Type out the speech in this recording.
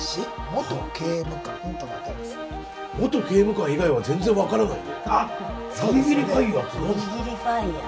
「元刑務官」以外は全然、分からないね。